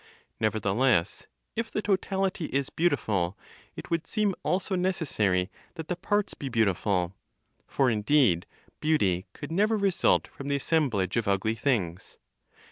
Nevertheless, if the totality is beautiful, it would seem also necessary that the parts be beautiful; for indeed beauty could never result from the assemblage of ugly things.